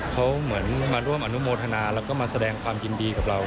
เขาเหมือนมาร่วมอนุโมทนาแล้วก็มาแสดงความยินดีกับเรา